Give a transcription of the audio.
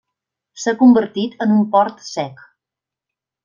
S'ha convertit en un port sec.